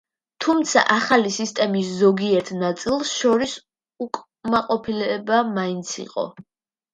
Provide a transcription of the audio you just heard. თუმცა ახალი სისტემის ზოგიერთ ნაწილს შორის უკმაყოფილება მაინც იყო.